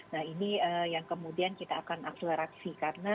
nah ini yang kemudian kita akan akselerasi kelas pandemic ini untuk lancar